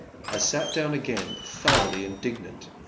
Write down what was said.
I sat down again, thoroughly indignant.